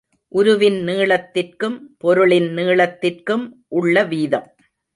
உருவின் நீளத்திற்கும் பொருளின் நீளத்திற்கும் உள்ள வீதம்.